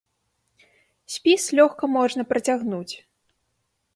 Спіс лёгка можна працягнуць.